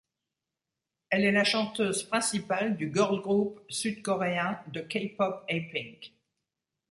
Elle est la chanteuse principale du girl group sud-coréen de K-pop Apink.